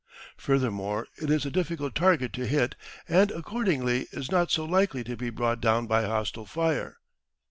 Furthermore, it is a difficult target to hit and accordingly is not so likely to be brought down by hostile fire.